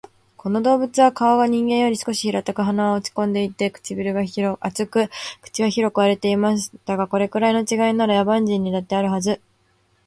この動物は顔が人間より少し平たく、鼻は落ち込んでいて、唇が厚く、口は広く割れています。だが、これくらいの違いなら、野蛮人にだってあるはず